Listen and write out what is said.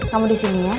kamu di sini ya